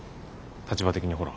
立場的にほら。